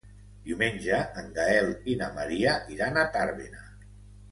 Diumenge en Gaël i na Maria iran a Tàrbena.